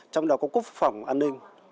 trong đó có quốc phòng an ninh